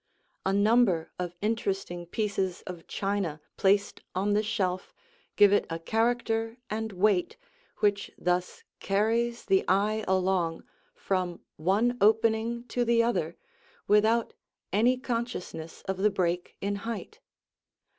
A number of interesting pieces of china placed on the shelf give it a character and weight which thus carries the eye along from one opening to the other without any consciousness of the break in height.